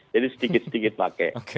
jadi sedikit sedikit pakai